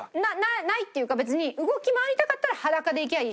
ないっていうか別に動き回りたかったら裸で行けばいいし。